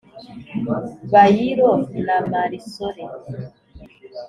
bayiro na marisore